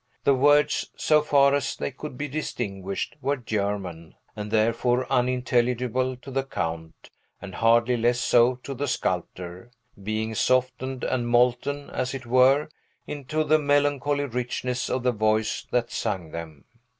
The words, so far as they could be distinguished, were German, and therefore unintelligible to the Count, and hardly less so to the sculptor; being softened and molten, as it were, into the melancholy richness of the voice that sung them.